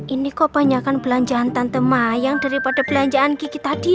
ini kok banyak kan belanjaan tante mayang daripada belanjaan kiki tadi ya